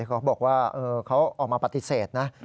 เขาบอกว่าเขาออกมาปฏิเสธนะ